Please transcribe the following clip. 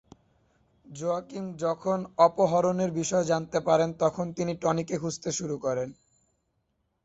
Joaquin যখন অপহরণের বিষয়ে জানতে পারেন, তখন তিনি টনিকে খুঁজতে শুরু করেন।